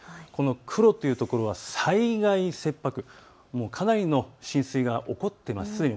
黒というところは災害切迫、かなりの浸水が起こってます。